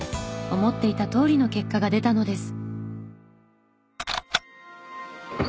思っていたとおりの結果が出たのです。